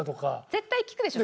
絶対聞くでしょ。